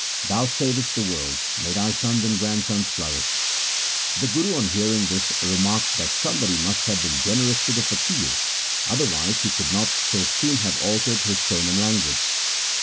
' Thou savest the world ; may thy sons and grandsons flourish !' The Guru on hearing this remarked that somebody must have been generous to the faqir, otherwise he could not so soon have altered his tone and language.